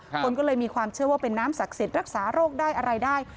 คนก็เลยมีความเชื่อว่าเป็นน้ำศักดิ์สิทธิ์รักษาโรคได้อะไรได้